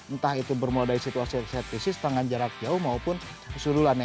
entah itu bermula dari situasi set tesis tendangan jarak jauh maupun sudulannya